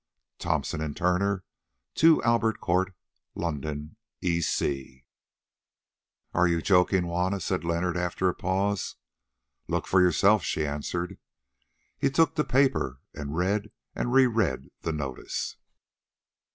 Thomson & Turner, 2 Albert Court, London, E.C.'" "Are you joking, Juanna?" said Leonard after a pause. "Look for yourself," she answered. He took the paper, and read and reread the notice.